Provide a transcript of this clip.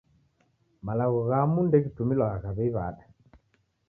Malagho ghamu ndeghitumilwagha w'ei w'ada.